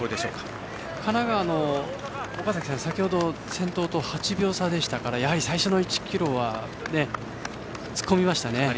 神奈川の岡崎さんは先程先頭と８秒差でしたから最初の１ｋｍは突っ込みましたね。